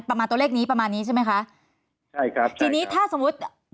ประมาณตัวเลขนี้ประมาณนี้ใช่ไหมคะใช่ครับทีนี้ถ้าสมมุติ